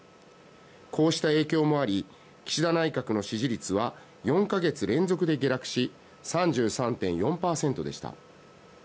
こうした影響もあり岸田内閣の支持率は４か月連続で下落し３３．４％でした。